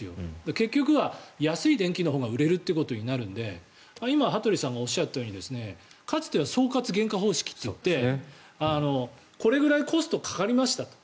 結局は安い電気のほうが売れるということになるので今、羽鳥さんがおっしゃったようにかつては総括原価方式といってこれぐらいコストがかかりましたと。